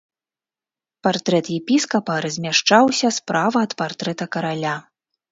Партрэт епіскапа размяшчаўся справа ад партрэта караля.